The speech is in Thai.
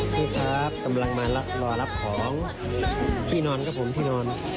พี่ครับกำลังมารอรับของที่นอนครับผมที่นอน